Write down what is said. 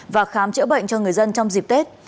và khám chữa bệnh cho người dân trong dịp tết